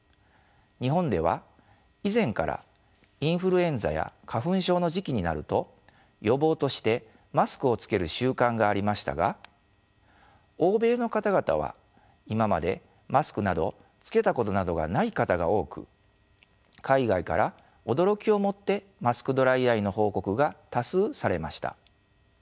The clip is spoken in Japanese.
日本では以前からインフルエンザや花粉症の時期になると予防としてマスクをつける習慣がありましたが欧米の方々は今までマスクなどつけたことなどがない方が多く海外から驚きをもってマスクドライアイの報告が多数されました。